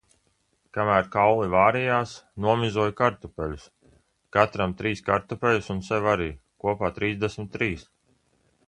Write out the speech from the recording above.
Kamēr kauli vārījās, nomizoju kartupeļus, katram trīs kartupeļus un sev arī, kopā trīsdesmit trīs.